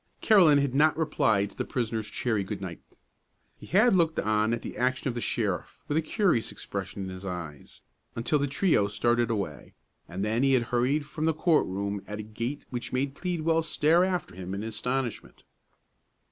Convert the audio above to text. Carolan had not replied to the prisoner's cheery "good nicht." He had looked on at the action of the sheriff, with a curious expression in his eyes, until the trio started away, and then he had hurried from the court room at a gait which made Pleadwell stare after him in astonishment.